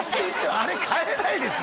あれ飼えないですよ